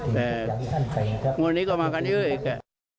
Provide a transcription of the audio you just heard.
แต่วันนี้ก็มากันเยอะเลยอีกค่ะ